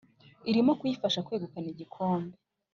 irimo kuyifasha kwegukana igikombe.